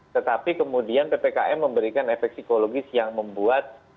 tetapi kemudian ppkm memberikan efek psikologis yang membuat